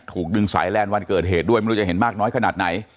ถูกดึงสายแลนด์วันเกิดเหตุด้วยไม่รู้จะเห็นมากน้อยขนาดไหน